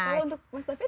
kalau untuk mas david